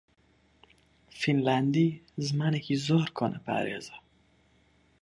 فینلاندی زمانێکی زۆر کۆنەپارێزە.